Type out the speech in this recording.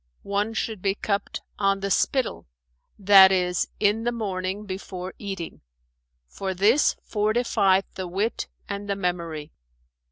"One should be cupped 'on the spittle,' that is, in the morning before eating, for this fortifieth the wit and the memory.